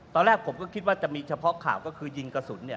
ตอนแรกผมก็คิดว่าจะมีเฉพาะข่าวก็คือยิงกระสุนเนี่ย